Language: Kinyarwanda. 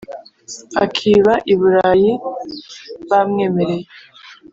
akiba i bulayi bamwemereye